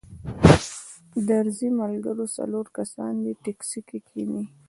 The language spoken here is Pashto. درځئ ملګرو څلور کسان دې ټیکسي کې کښینئ.